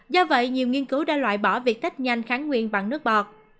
do vậy nhiều nghiên cứu đã loại bỏ việc tách nhanh kháng nguyên bằng nước bọt